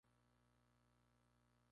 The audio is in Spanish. Ayuntamiento: Lado oeste de la plaza.